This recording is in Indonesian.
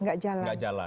nggak jalan oke